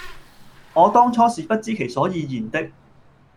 我當初是不知其所以然的；